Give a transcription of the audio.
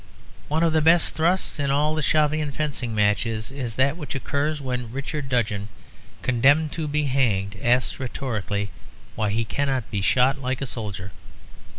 One of the best thrusts in all the Shavian fencing matches is that which occurs when Richard Dudgeon, condemned to be hanged, asks rhetorically why he cannot be shot like a soldier.